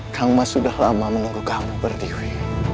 kang mas sudah lama menunggu kamu pertiwi